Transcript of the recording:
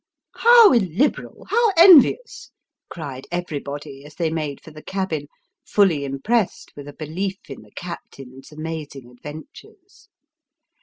" How illiberal ! how envious !" cried everybody, as they made for the cabin, fully impressed with a belief in the captain's amazing adventures.